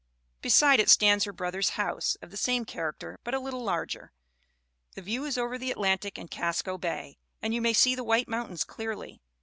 Beside it stands her brother's house, of the same character but a little larger. The view is over the Atlantic and Casco Bay and you may see the White Mountains clearly.